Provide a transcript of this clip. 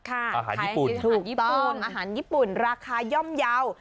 อาหารญี่ปุ่นถูกต้องอาหารญี่ปุ่นราคาย่อมเยาว์